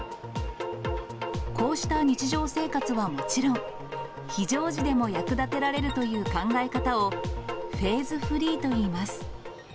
こうした日常生活はもちろん、非常時でも役立てられるという考え方を、フェーズフリーといいます。